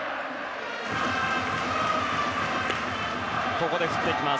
ここで振ってきます。